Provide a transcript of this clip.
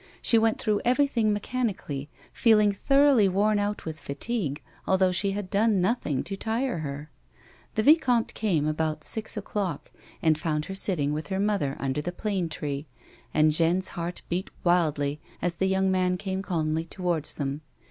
She went throiigh everything mechanically, feeling thoroughly worn out with fatigue although she had done nothing to tire her. The vicomte came about six o'clock 46 A WOMAN'S LIFE. and found her sitting with her mother under the plane tree, and Jeanne's heart beat wildly as the young man came calmlj' towards them.